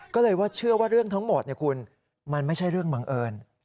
ก็เลยว่าเชื่อว่าเรื่องทั้งหมดคุณมันไม่ใช่เรื่องบังเอิญ